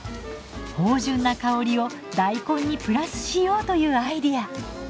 豊潤な香りを大根にプラスしようというアイデア。